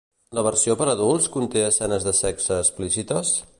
La versió per adults conté escenes de sexe explícites?